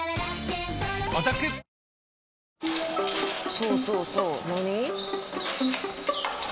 そうそうそう。